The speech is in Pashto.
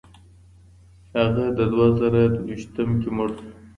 هغه د دوه زره دوه ویشتم کي مړ سو.